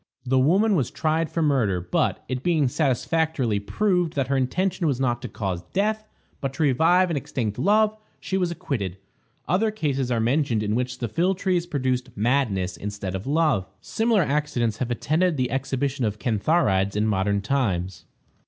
The woman was tried for murder; but, it being satisfactorily proved that her intention was not to cause death, but to revive an extinct love, she was acquitted. Other cases are mentioned in which the philtres produced madness instead of love. Similar accidents have attended the exhibition of cantharides in modern times.